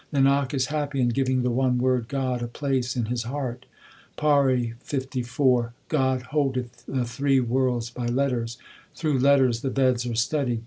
Nanak is happy in giving the one word 1 God a place in his heart. 2 PAURI LIV God holdeth the three worlds by letters ; Through letters the Veds are studied ; 1 Akhar.